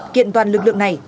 kiện toàn lực lượng này